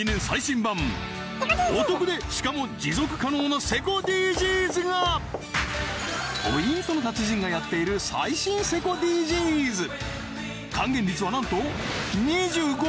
お得でしかも持続可能なセコＤＧｓがポイントの達人がやっている最新セコＤＧｓなんと２５％！？